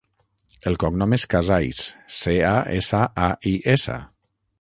El cognom és Casais: ce, a, essa, a, i, essa.